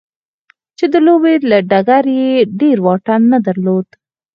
چې د لوبې له ډګره يې ډېر واټن نه درلود.